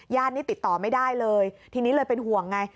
นี่ติดต่อไม่ได้เลยทีนี้เลยเป็นห่วงไง